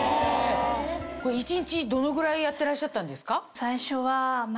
一日どのぐらいやってらっしゃったんですか？